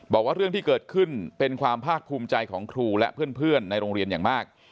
บอกว่าเรื่องที่เกิดขึ้นเป็นความภาคภูมิใจของครูและเพื่อนในโรงเรียนอย่างมาก